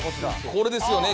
これですよね。